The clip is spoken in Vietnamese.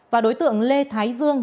và đối tượng lê thái dương